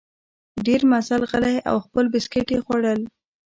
ډېر مزل غلی او خپل بسکیټ یې خوړل.